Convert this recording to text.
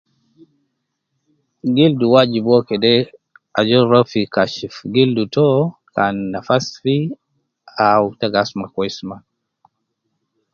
Gildu wajibuo kede ajol ruwa fi kashif you kan nafas fi au uwo gi asuma kweis maa.